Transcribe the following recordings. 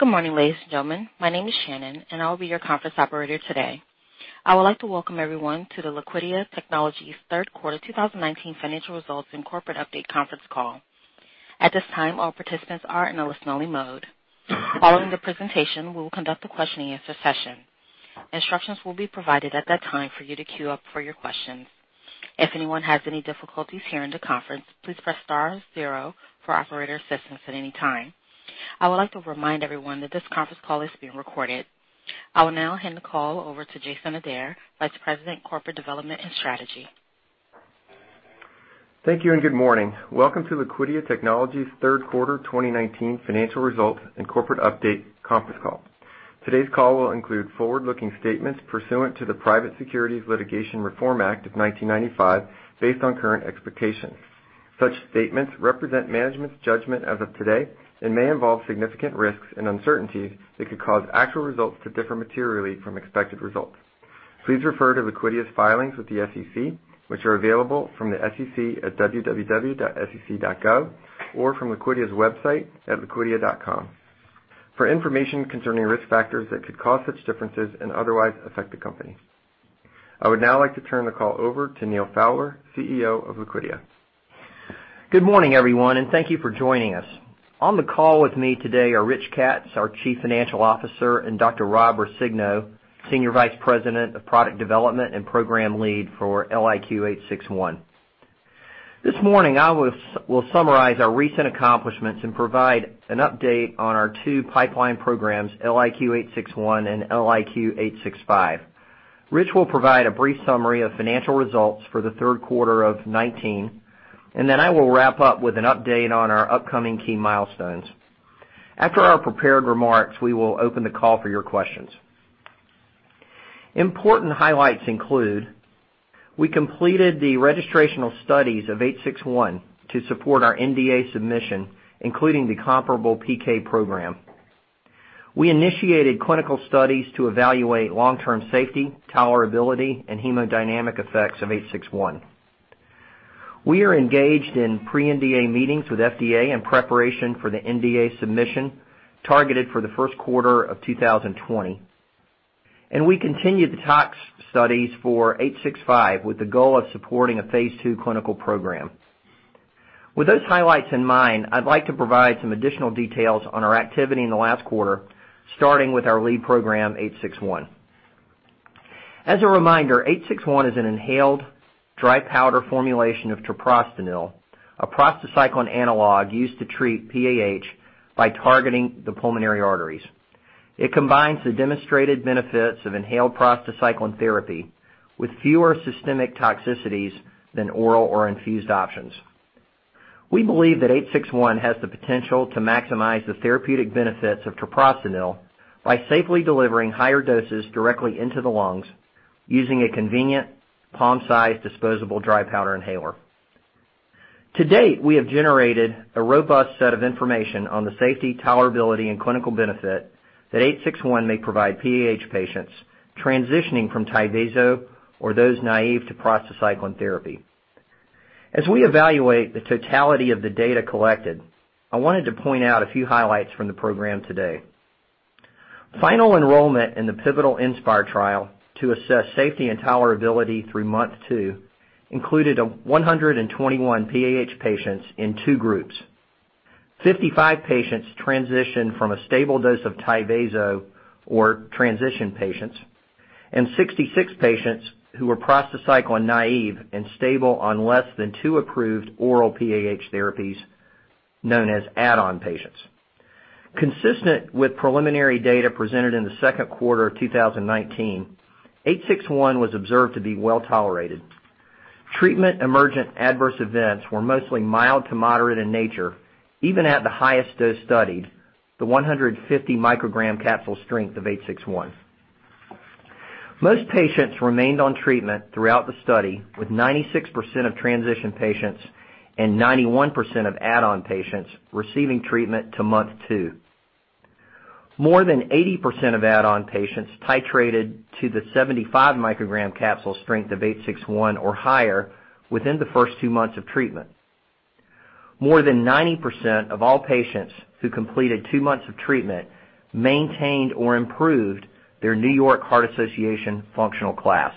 Good morning, ladies and gentlemen. My name is Shannon, and I will be your conference operator today. I would like to welcome everyone to the Liquidia Technologies third quarter 2019 financial results and corporate update conference call. At this time, all participants are in a listen-only mode. Following the presentation, we will conduct a question-and-answer session. Instructions will be provided at that time for you to queue up for your questions. If anyone has any difficulties during the conference, please press star zero for operator assistance at any time. I would like to remind everyone that this conference call is being recorded. I will now hand the call over to Jason Adair, Vice President, Corporate Development and Strategy. Thank you and good morning. Welcome to Liquidia Technologies' third quarter 2019 financial results and corporate update conference call. Today's call will include forward-looking statements pursuant to the Private Securities Litigation Reform Act of 1995, based on current expectations. Such statements represent management's judgment as of today and may involve significant risks and uncertainties that could cause actual results to differ materially from expected results. Please refer to Liquidia's filings with the SEC, which are available from the SEC at www.sec.gov or from Liquidia's website at liquidia.com for information concerning risk factors that could cause such differences and otherwise affect the company. I would now like to turn the call over to Neal Fowler, CEO of Liquidia. Good morning, everyone, and thank you for joining us. On the call with me today are Rich Katz, our Chief Financial Officer, and Dr. Rob Roscigno, Senior Vice President of Product Development and Program Lead for LIQ861. This morning, I will summarize our recent accomplishments and provide an update on our two pipeline programs, LIQ861 and LIQ865. Rich will provide a brief summary of financial results for the third quarter of 2019, and then I will wrap up with an update on our upcoming key milestones. After our prepared remarks, we will open the call for your questions. Important highlights include we completed the registrational studies of 861 to support our NDA submission, including the comparable PK program. We initiated clinical studies to evaluate long-term safety, tolerability, and hemodynamic effects of 861. We are engaged in pre-NDA meetings with FDA in preparation for the NDA submission targeted for the first quarter of 2020. We continue the tox studies for 865 with the goal of supporting a phase II clinical program. With those highlights in mind, I'd like to provide some additional details on our activity in the last quarter, starting with our lead program, 861. As a reminder, 861 is an inhaled dry powder formulation of treprostinil, a prostacyclin analog used to treat PAH by targeting the pulmonary arteries. It combines the demonstrated benefits of inhaled prostacyclin therapy with fewer systemic toxicities than oral or infused options. We believe that 861 has the potential to maximize the therapeutic benefits of treprostinil by safely delivering higher doses directly into the lungs using a convenient palm-sized disposable dry powder inhaler. To date, we have generated a robust set of information on the safety, tolerability, and clinical benefit that 861 may provide PAH patients transitioning from TYVASO or those naive to prostacyclin therapy. As we evaluate the totality of the data collected, I wanted to point out a few highlights from the program today. Final enrollment in the pivotal INSPIRE trial to assess safety and tolerability through month two included 121 PAH patients in two groups. 55 patients transitioned from a stable dose of TYVASO, or transition patients, and 66 patients who were prostacyclin naive and stable on less than two approved oral PAH therapies, known as add-on patients. Consistent with preliminary data presented in the second quarter of 2019, 861 was observed to be well-tolerated. Treatment emergent adverse events were mostly mild to moderate in nature, even at the highest dose studied, the 150 microgram capsule strength of 861. Most patients remained on treatment throughout the study, with 96% of transition patients and 91% of add-on patients receiving treatment to month two. More than 80% of add-on patients titrated to the 75 microgram capsule strength of 861 or higher within the first two months of treatment. More than 90% of all patients who completed two months of treatment maintained or improved their New York Heart Association functional class.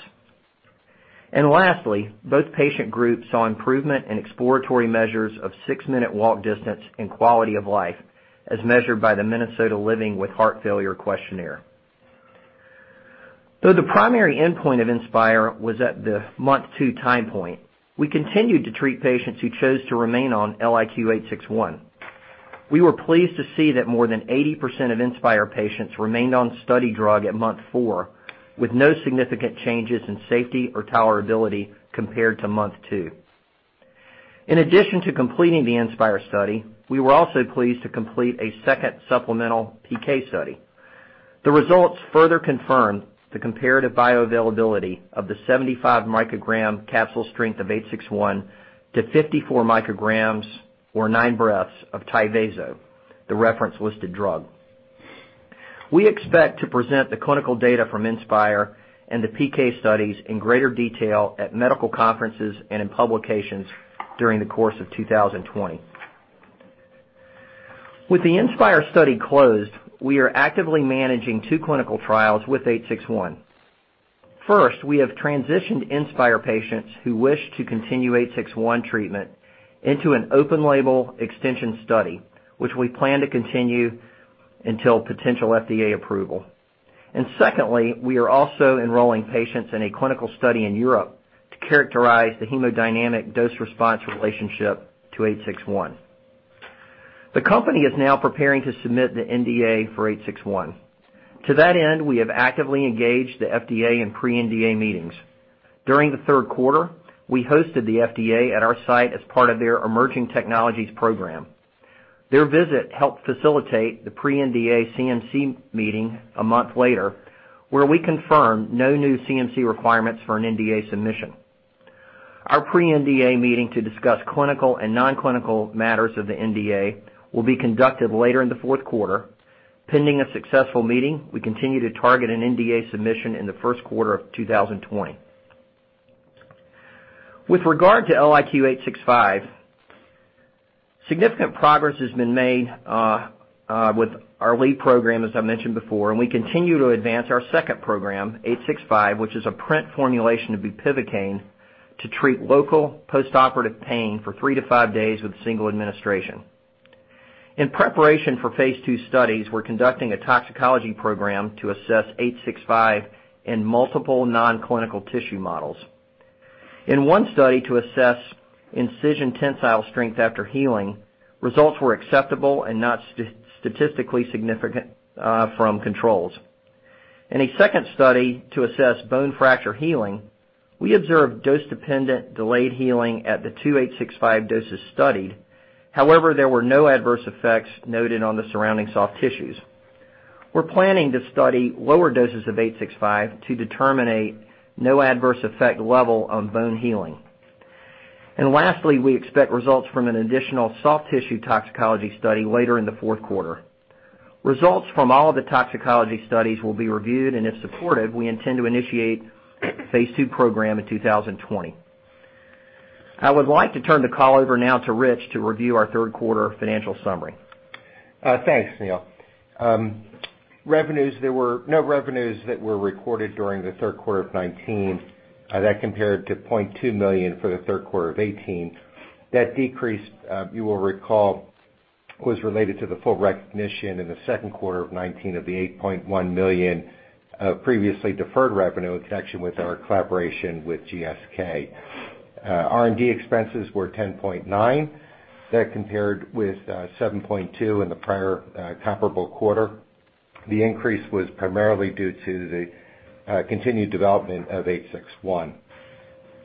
Lastly, both patient groups saw improvement in exploratory measures of six-minute walk distance and quality of life as measured by the Minnesota Living with Heart Failure Questionnaire. Though the primary endpoint of INSPIRE was at the month two time point, we continued to treat patients who chose to remain on LIQ861. We were pleased to see that more than 80% of INSPIRE patients remained on study drug at month four, with no significant changes in safety or tolerability compared to month two. In addition to completing the INSPIRE study, we were also pleased to complete a second supplemental PK study. The results further confirmed the comparative bioavailability of the 75 microgram capsule strength of 861 to 54 micrograms or nine breaths of TYVASO, the reference-listed drug. We expect to present the clinical data from INSPIRE and the PK studies in greater detail at medical conferences and in publications during the course of 2020. With the INSPIRE study closed, we are actively managing two clinical trials with 861. First, we have transitioned INSPIRE patients who wish to continue 861 treatment into an open-label extension study, which we plan to continue until potential FDA approval. Secondly, we are also enrolling patients in a clinical study in Europe to characterize the hemodynamic dose response relationship to 861. The company is now preparing to submit the NDA for 861. To that end, we have actively engaged the FDA in pre-NDA meetings. During the third quarter, we hosted the FDA at our site as part of their Emerging Technology Program. Their visit helped facilitate the pre-NDA CMC meeting a month later, where we confirmed no new CMC requirements for an NDA submission. Our pre-NDA meeting to discuss clinical and non-clinical matters of the NDA will be conducted later in the fourth quarter. Pending a successful meeting, we continue to target an NDA submission in the first quarter of 2020. With regard to LIQ865, significant progress has been made with our lead program, as I mentioned before, and we continue to advance our second program, 865, which is a PRINT formulation of bupivacaine to treat local postoperative pain for three to five days with a single administration. In preparation for phase II studies, we're conducting a toxicology program to assess 865 in multiple non-clinical tissue models. In one study to assess incision tensile strength after healing, results were acceptable and not statistically significant from controls. In a second study to assess bone fracture healing, we observed dose-dependent delayed healing at the two 865 doses studied. However, there were no adverse effects noted on the surrounding soft tissues. We're planning to study lower doses of 865 to determine a no adverse effect level on bone healing. Lastly, we expect results from an additional soft tissue toxicology study later in the fourth quarter. Results from all of the toxicology studies will be reviewed, and if supported, we intend to initiate phase II program in 2020. I would like to turn the call over now to Rich to review our third-quarter financial summary. Thanks, Neal. There were no revenues that were recorded during the third quarter of 2019. That compared to $0.2 million for the third quarter of 2018. That decrease, you will recall, was related to the full recognition in the second quarter of 2019 of the $8.1 million previously deferred revenue in connection with our collaboration with GSK. R&D expenses were $10.9 million. That compared with $7.2 million in the prior comparable quarter. The increase was primarily due to the continued development of LIQ861.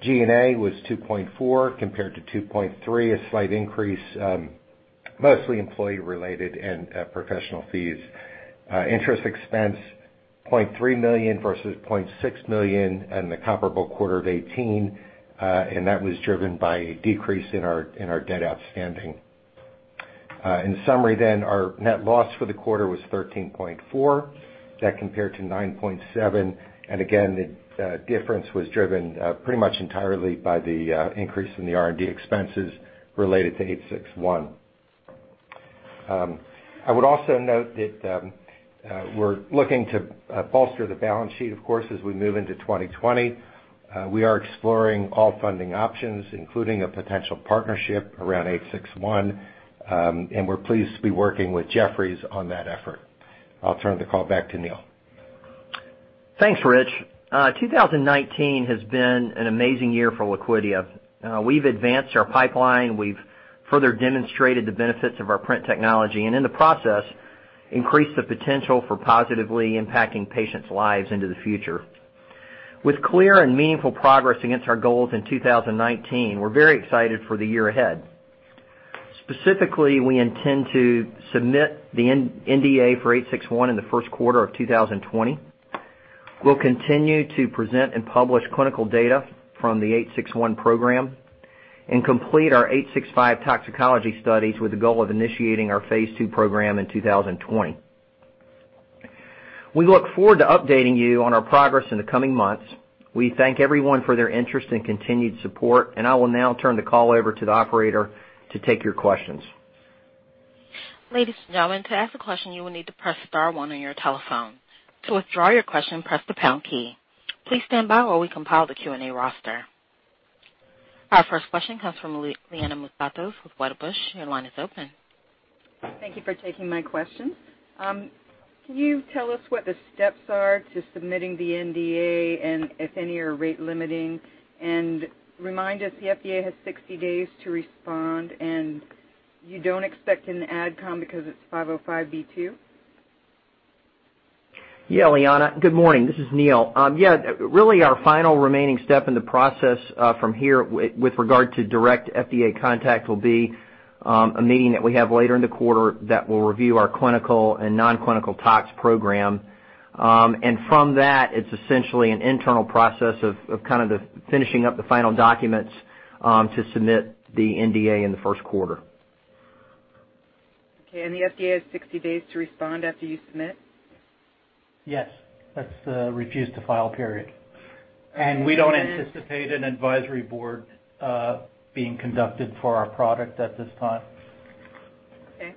G&A was $2.4 million compared to $2.3 million, a slight increase, mostly employee-related and professional fees. Interest expense $0.3 million versus $0.6 million in the comparable quarter of 2018. That was driven by a decrease in our debt outstanding. In summary, our net loss for the quarter was $13.4 million. That compared to $9.7 million. Again, the difference was driven pretty much entirely by the increase in the R&D expenses related to 861. I would also note that we're looking to bolster the balance sheet, of course, as we move into 2020. We are exploring all funding options, including a potential partnership around 861, and we're pleased to be working with Jefferies on that effort. I'll turn the call back to Neal. Thanks, Rich. 2019 has been an amazing year for Liquidia. We've advanced our pipeline, we've further demonstrated the benefits of our PRINT technology, and in the process, increased the potential for positively impacting patients' lives into the future. With clear and meaningful progress against our goals in 2019, we're very excited for the year ahead. Specifically, we intend to submit the NDA for 861 in the first quarter of 2020. We'll continue to present and publish clinical data from the 861 program and complete our 865 toxicology studies with the goal of initiating our phase II program in 2020. We look forward to updating you on our progress in the coming months. We thank everyone for their interest and continued support. I will now turn the call over to the operator to take your questions. Ladies and gentlemen, to ask a question, you will need to press star one on your telephone. To withdraw your question, press the pound key. Please stand by while we compile the Q&A roster. Our first question comes from Liana Moussatos with Wedbush. Your line is open. Thank you for taking my questions. Can you tell us what the steps are to submitting the NDA, and if any are rate-limiting? Remind us the FDA has 60 days to respond, and you don't expect an AdCom because it's 505(b)(2)? Yeah, Liana. Good morning. This is Neal. Really, our final remaining step in the process from here with regard to direct FDA contact will be a meeting that we have later in the quarter that will review our clinical and non-clinical tox program. From that, it's essentially an internal process of finishing up the final documents to submit the NDA in the first quarter. Okay, the FDA has 60 days to respond after you submit? Yes. That's the refuse-to-file period. We don't anticipate an advisory board being conducted for our product at this time. Okay.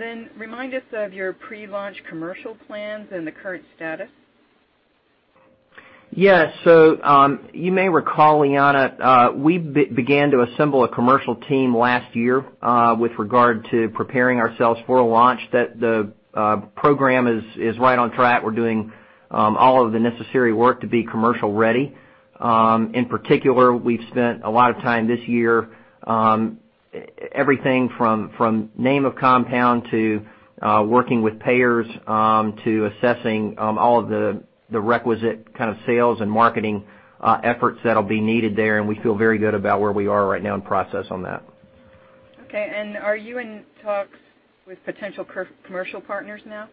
Then remind us of your pre-launch commercial plans and the current status? Yeah. You may recall, Liana, we began to assemble a commercial team last year with regard to preparing ourselves for a launch. The program is right on track. We're doing all of the necessary work to be commercial-ready. In particular, we've spent a lot of time this year, everything from name of compound to working with payers, to assessing all of the requisite sales and marketing efforts that'll be needed there, and we feel very good about where we are right now in process on that. Okay. Are you in talks with potential commercial partners now?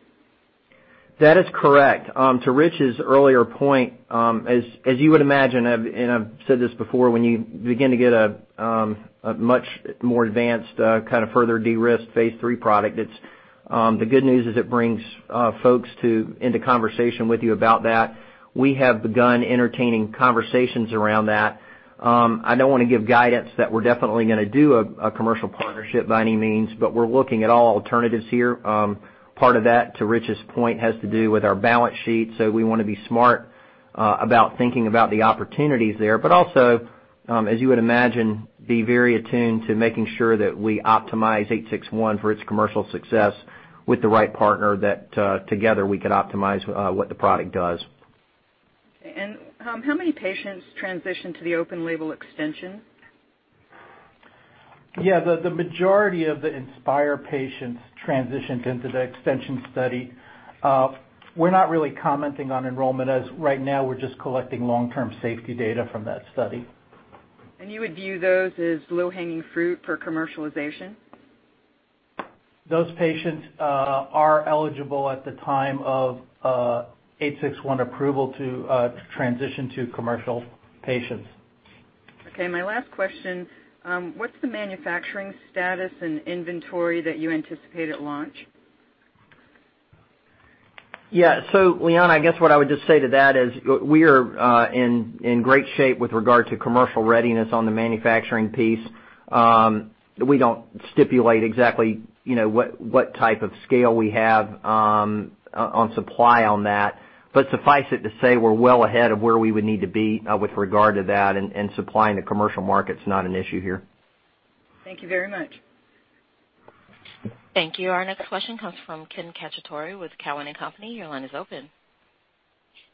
That is correct. To Rich's earlier point, as you would imagine, I've said this before, when you begin to get a much more advanced, further de-risked phase III product, the good news is it brings folks into conversation with you about that. We have begun entertaining conversations around that. I don't want to give guidance that we're definitely going to do a commercial partnership by any means; we're looking at all alternatives here. Part of that, to Rich's point, has to do with our balance sheet; we want to be smart about thinking about the opportunities there, also, as you would imagine, be very attuned to making sure that we optimize 861 for its commercial success with the right partner that together we could optimize what the product does. Okay, how many patients transitioned to the open-label extension? Yeah, the majority of the INSPIRE patients transitioned into the extension study. We're not really commenting on enrollment, as right now we're just collecting long-term safety data from that study. You would view those as low-hanging fruit for commercialization? Those patients are eligible at the time of 861 approval to transition to commercial patients. Okay. My last question: What's the manufacturing status and inventory that you anticipate at launch? Yeah. Liana, I guess what I would just say to that is we are in great shape with regard to commercial readiness on the manufacturing piece. We don't stipulate exactly what type of scale we have on supply on that. Suffice it to say, we're well ahead of where we would need to be with regard to that, and supplying the commercial market's not an issue here. Thank you very much. Thank you. Our next question comes from Ken Cacciatore with Cowen and Company. Your line is open.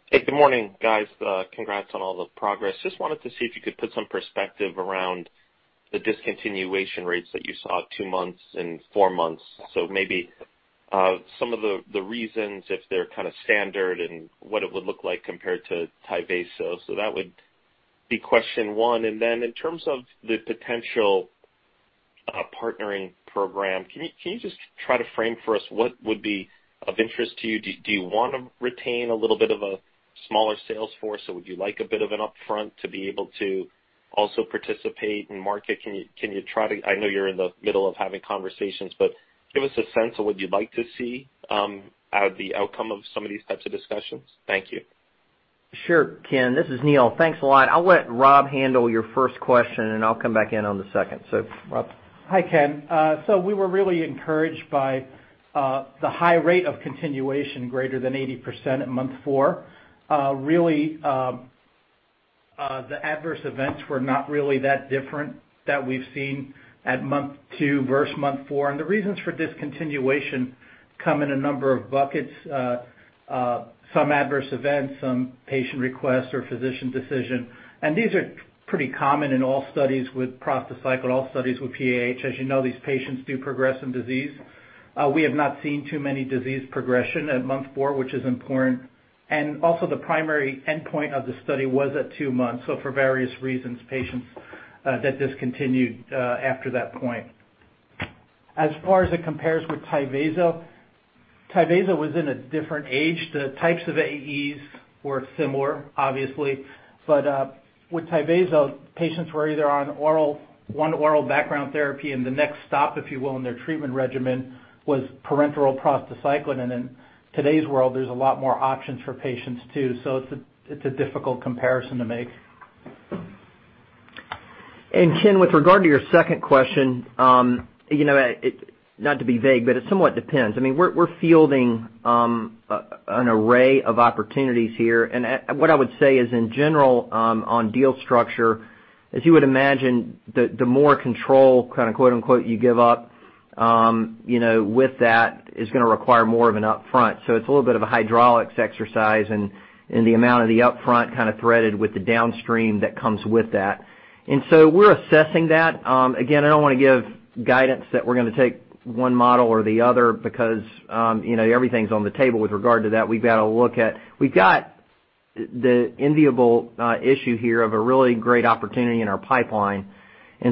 Hey, good morning, guys. Congrats on all the progress. Just wanted to see if you could put some perspective around the discontinuation rates that you saw at two months and four months. Maybe some of the reasons, if they're standard and what it would look like compared to TYVASO. That would be question one. Then in terms of the potential partnering program, can you just try to frame for us what would be of interest to you? Do you want to retain a little bit of a smaller sales force, or would you like a bit of an upfront to be able to also participate in market? I know you're in the middle of having conversations, but give us a sense of what you'd like to see out of the outcome of some of these types of discussions. Thank you. Sure, Ken. This is Neal. Thanks a lot. I'll let Rob handle your first question, and I'll come back in on the second. Rob. Hi, Ken. We were really encouraged by the high rate of continuation, greater than 80% at month four. Really, the adverse events were not really that different that we've seen at month two versus month four, and the reasons for discontinuation come in a number of buckets. Some adverse events, some patient requests or physician decision. These are pretty common in all studies with prostacyclin, all studies with PAH. As you know, these patients do progress in disease. We have not seen too many disease progression at month four, which is important. Also, the primary endpoint of the study was at two months, for various reasons, patients that discontinued after that point. As far as it compares with TYVASO was in a different age. The types of AEs were similar, obviously. With TYVASO, patients were either on one oral background therapy, and the next stop, if you will, in their treatment regimen was parenteral prostacyclin. In today's world, there's a lot more options for patients, too. It's a difficult comparison to make. Ken, with regard to your second question, not to be vague, but it somewhat depends. We're fielding an array of opportunities here. What I would say is in general, on deal structure, as you would imagine, the more "control" you give up with that is going to require more of an upfront. It's a little bit of a hydraulics exercise in the amount of the upfront kind of threaded with the downstream that comes with that. We're assessing that. Again, I don't want to give guidance that we're going to take one model or the other because everything's on the table with regard to that. We've got the enviable issue here of a really great opportunity in our pipeline.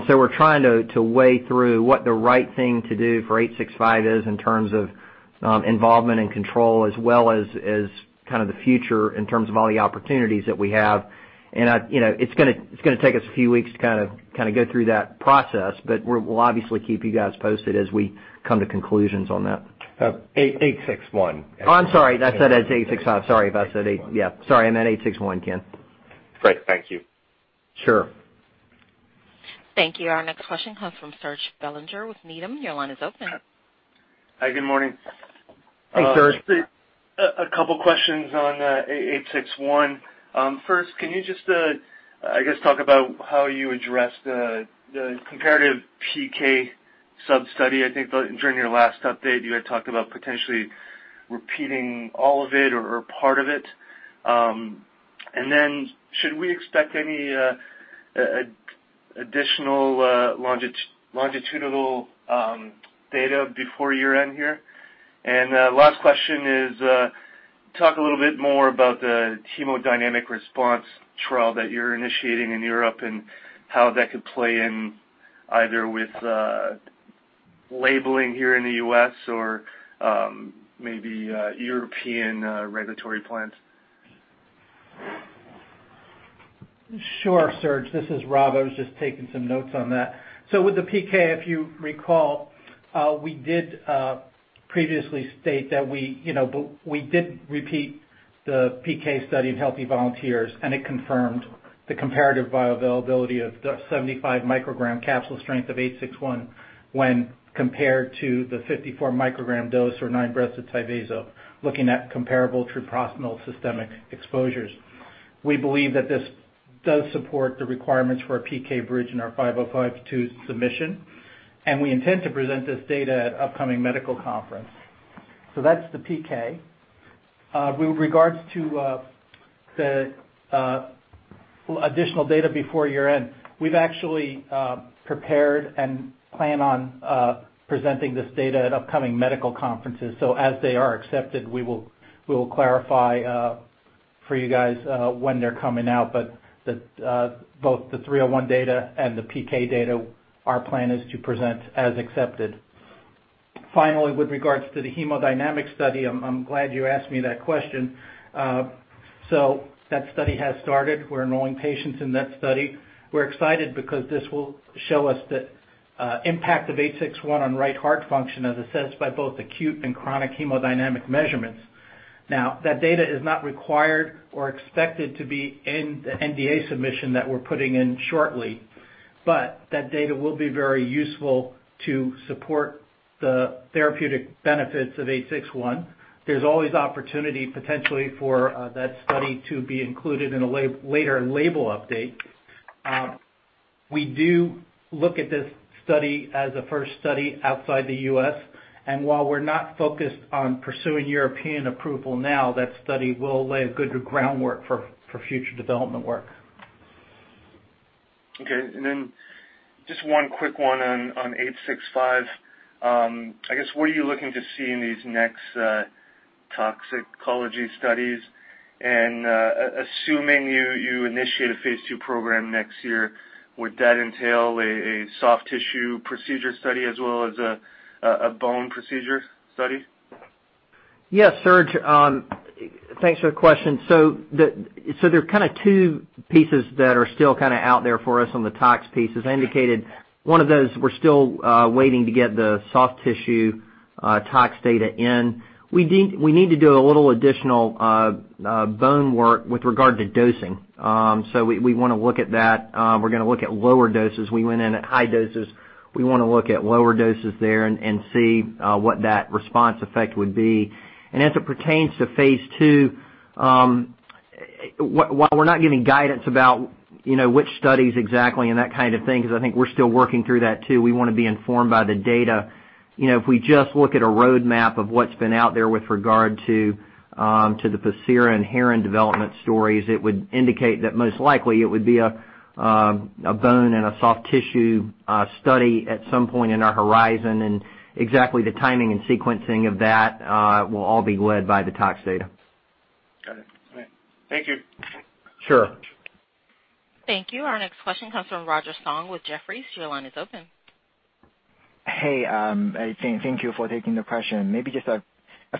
We're trying to wade through what the right thing to do for 865 is in terms of involvement and control, as well as the future in terms of all the opportunities that we have. It's going to take us a few weeks to go through that process, but we'll obviously keep you guys posted as we come to conclusions on that. 861. Oh, I'm sorry. I said 865. Sorry about that. Yeah. Sorry. I meant 861, Ken. Great. Thank you. Sure. Thank you. Our next question comes from Serge Belanger with Needham. Your line is open. Hi, good morning. Hi, Serge. A couple questions on 861. First, can you just, I guess, talk about how you address the comparative PK sub-study? I think during your last update, you had talked about potentially repeating all of it or part of it. Should we expect any additional longitudinal data before year-end here? Last question is, talk a little bit more about the hemodynamic response trial that you're initiating in Europe and how that could play in either with labeling here in the U.S. or maybe European regulatory plans. Sure, Serge. This is Rob Roscigno. I was just taking some notes on that. With the PK, if you recall, we did previously state that we did repeat the PK study in healthy volunteers, and it confirmed the comparative bioavailability of the 75 microgram capsule strength of 861 when compared to the 54 microgram dose for nine breaths of TYVASO, looking at comparable treprostinil systemic exposures. We believe that this does support the requirements for a PK bridge in our 505(b)(2) submission, and we intend to present this data at upcoming medical conference. That's the PK. With regards to the additional data before year-end, we've actually prepared and plan on presenting this data at upcoming medical conferences. As they are accepted, we will clarify for you guys when they're coming out. Both the 301 data and the PK data, our plan is to present as accepted. With regards to the hemodynamic study, I'm glad you asked me that question. That study has started. We're enrolling patients in that study. We're excited because this will show us the impact of LIQ861 on right heart function as assessed by both acute and chronic hemodynamic measurements. That data is not required or expected to be in the NDA submission that we're putting in shortly; that data will be very useful to support the therapeutic benefits of LIQ861. There's always opportunity, potentially, for that study to be included in a later label update. We do look at this study as a first study outside the U.S. While we're not focused on pursuing European approval now, that study will lay a good groundwork for future development work. Okay. Just one quick one on 865. I guess, what are you looking to see in these next toxicology studies? Assuming you initiate a phase II program next year, would that entail a soft tissue procedure study as well as a bone procedure study? Yes, Serge. Thanks for the question. There are two pieces that are still out there for us on the tox pieces. I indicated one of those; we're still waiting to get the soft tissue tox data in. We need to do a little additional bone work with regard to dosing. We want to look at that. We're going to look at lower doses. We went in at high doses. We want to look at lower doses there and see what that response effect would be. As it pertains to phase II, while we're not giving guidance about which studies exactly and that kind of thing, because I think we're still working through that, too. We want to be informed by the data. If we just look at a roadmap of what's been out there with regard to the Pacira and Heron development stories, it would indicate that most likely it would be a bone and a soft tissue study at some point in our horizon. Exactly the timing and sequencing of that will all be led by the tox data. Got it. All right. Thank you. Sure. Thank you. Our next question comes from Roger Song with Jefferies. Your line is open. Hey. Thank you for taking the question. Maybe just a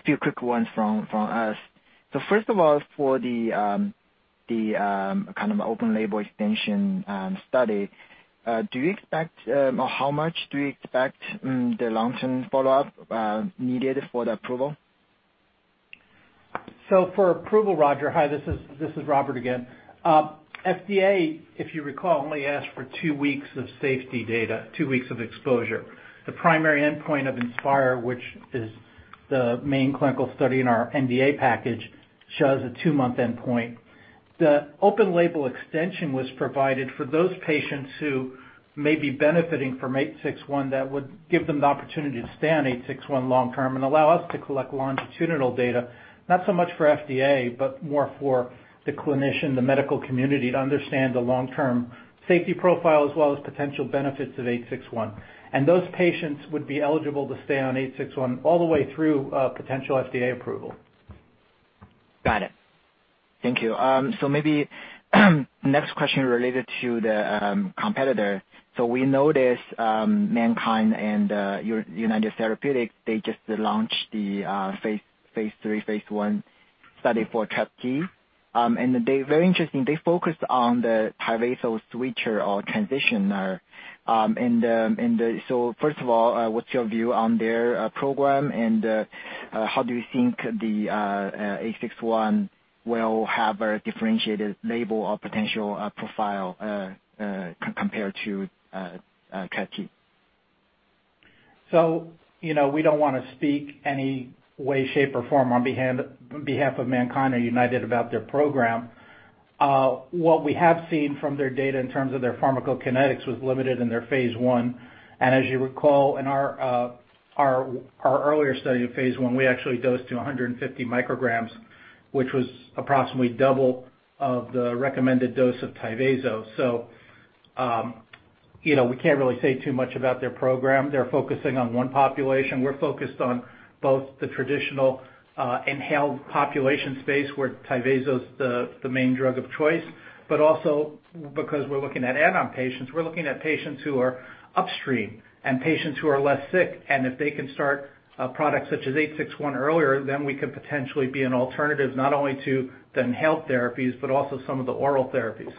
few quick ones from us. First of all, for the open-label extension study, how much do you expect the long-term follow-up needed for the approval? For approval, Roger. Hi, this is Rob again. FDA, if you recall, only asked for two weeks of safety data, two weeks of exposure. The primary endpoint of INSPIRE, which is the main clinical study in our NDA package, shows a two-month endpoint. The open-label extension was provided for those patients who may be benefiting from LIQ861 that would give them the opportunity to stay on LIQ861 long-term and allow us to collect longitudinal data, not so much for FDA, but more for the clinician, the medical community to understand the long-term safety profile as well as potential benefits of LIQ861. Those patients would be eligible to stay on LIQ861 all the way through potential FDA approval. Got it. Thank you. Maybe next question related to the competitor. We noticed MannKind and United Therapeutics, they just launched the phase III, phase I study for TreT. They're very interesting. They focus on the TYVASO switcher or transitioner. First of all, what's your view on their program, and how do you think the 861 will have a differentiated label or potential profile compared to TreT? We don't want to speak any way, shape, or form on behalf of MannKind or United about their program. What we have seen from their data in terms of their pharmacokinetics was limited in their phase I. As you recall, in our earlier study of phase I, we actually dosed to 150 micrograms, which was approximately double of the recommended dose of TYVASO. We can't really say too much about their program. They're focusing on one population. We're focused on both the traditional inhaled population space, where TYVASO is the main drug of choice. Also, because we're looking at add-on patients, we're looking at patients who are upstream and patients who are less sick. If they can start a product such as 861 earlier, we could potentially be an alternative not only to the inhaled therapies, but also some of the oral therapies.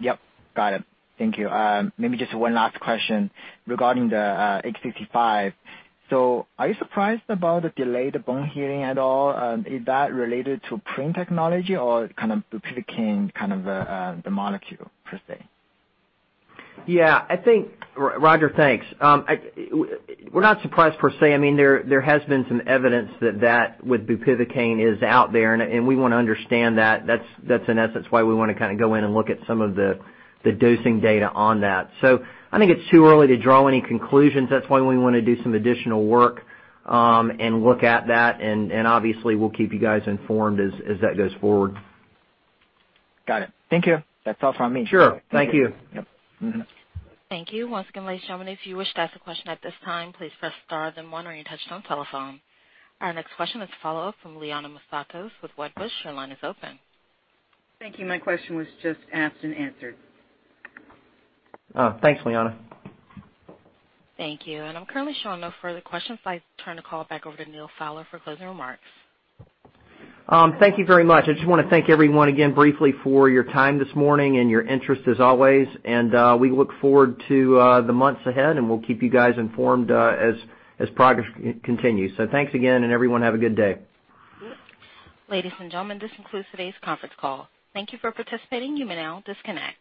Yep. Got it. Thank you. Maybe just one last question regarding the 865. Are you surprised about the delayed bone healing at all? Is that related to PRINT technology or bupivacaine, the molecule per se? Yeah. Roger, thanks. We're not surprised per se. There has been some evidence that with bupivacaine is out there, and we want to understand that. That's in essence why we want to go in and look at some of the dosing data on that. I think it's too early to draw any conclusions. That's why we want to do some additional work, and look at that, and obviously, we'll keep you guys informed as that goes forward. Got it. Thank you. That's all from me. Sure. Thank you. Yep. Thank you. Once again, ladies and gentlemen, if you wish to ask a question at this time, please press star then one on your touchtone telephone. Our next question is a follow-up from Liana Moussatos with Wedbush. Your line is open. Thank you. My question was just asked and answered. Oh. Thanks, Liana. Thank you. I'm currently showing no further questions. I turn the call back over to Neal Fowler for closing remarks. Thank you very much. I just want to thank everyone again briefly for your time this morning and your interest as always. We look forward to the months ahead, and we'll keep you guys informed as progress continues. Thanks again. Everyone have a good day. Ladies and gentlemen, this concludes today's conference call. Thank you for participating. You may now disconnect.